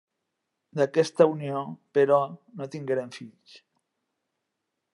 D'aquesta unió, però, no tingueren fills.